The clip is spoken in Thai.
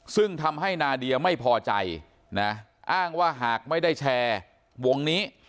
ซึ่งทำให้นาเดียไม่พอใจนะอ้างว่าหากไม่ได้แชร์วงนี้